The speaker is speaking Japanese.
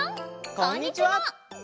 こんにちは！